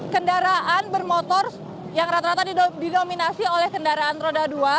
kendaraan bermotor yang rata rata didominasi oleh kendaraan roda dua